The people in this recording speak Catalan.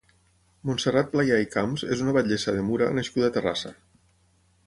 Montserrat Playà i Camps és una batllessa de Mura nascuda a Terrassa.